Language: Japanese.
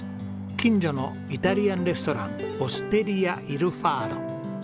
近所のイタリアンレストランオステリアイルファーロ。